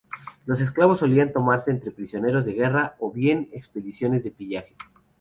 Los esclavos solían tomarse entre prisioneros de guerra, o bien en expediciones de pillaje.